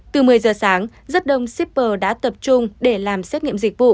từ một mươi giờ sáng rất đông shipper đã tập trung để làm xét nghiệm dịch vụ